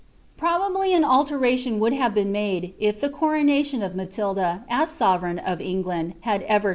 Probably an alteration would have been made, if the coronation of Matilda, as sovereign of England, had ever taken place.